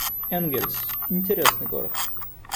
Энгельс — интересный город